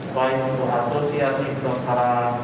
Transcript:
baik untuk asosiasi bersara